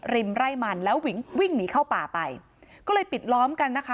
ไร่มันแล้ววิ่งวิ่งหนีเข้าป่าไปก็เลยปิดล้อมกันนะคะ